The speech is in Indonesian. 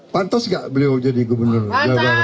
pantes gak beliau jadi gubernur jawa barat